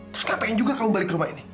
terus ngapain juga kamu balik ke rumah ini